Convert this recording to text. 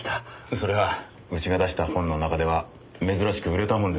それはうちが出した本の中では珍しく売れた本です。